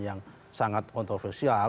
yang sangat kontroversial